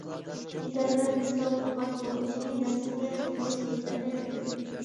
كېزەرمەن ۋىسال تۇغقان بۇ كوچىنى، نەپسىمگە سېغىنىش ھېسلىرىنى قېتىپ.